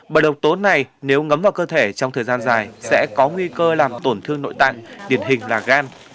bởi độc tố này nếu ngấm vào cơ thể trong thời gian dài sẽ có nguy cơ làm tổn thương nội tạng điển hình là gan